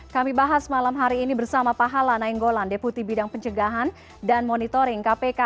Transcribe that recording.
kami bahas malam hari ini bersama pak hala nainggolan deputi bidang pencegahan dan monitoring kpk